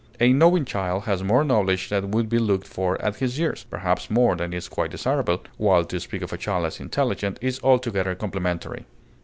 A knowing child has more knowledge than would be looked for at his years, perhaps more than is quite desirable, while to speak of a child as intelligent is altogether complimentary.